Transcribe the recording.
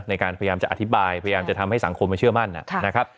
พยายามจะอธิบายพยายามจะทำให้สังคมมันเชื่อมั่นนะครับ